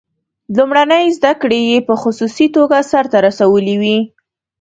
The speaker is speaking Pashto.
لومړنۍ زده کړې یې په خصوصي توګه سرته رسولې وې.